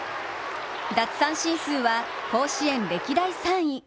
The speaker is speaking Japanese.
奪三振数は甲子園歴代３位。